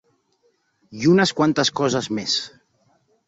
I unes quantes coses més.